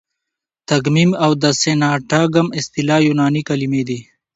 تګمیم او د سینټاګم اصطلاح یوناني کلیمې دي.